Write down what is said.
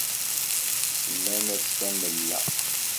Semman-as Tamella.